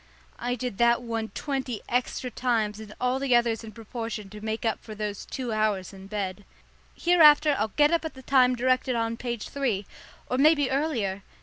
I did that one twenty extra times and all the others in proportion to make up for those two hours in bed. Hereafter I'll get up at the time directed on page three, or maybe earlier.